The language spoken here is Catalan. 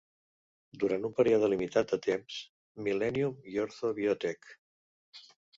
Durant un període limitat de temps, Millennium i Ortho Biotech.